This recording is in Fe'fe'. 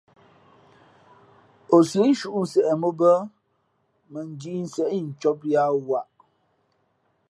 Ǒ sǐʼ nshuʼ nseʼ mǒ bᾱ, mα njīīnseʼ incōb yāā waʼ.